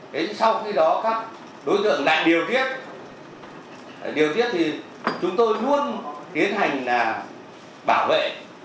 đến sau khi đó các đối tượng lại điều kiếp điều kiếp thì chúng tôi luôn tiến hành bảo vệ